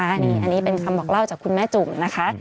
อันนี้เป็นคำบอกเล่าจากคุณแม่จุ่มนะคะ